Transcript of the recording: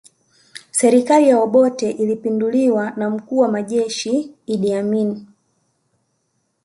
Serikali ya Obote ilipinduliwa na mkuu wa jeshi Idi Amini